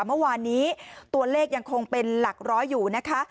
เมื่อวานนี้ตัวเลขยังคงเป็นหลักร้อยอยู่นะคะ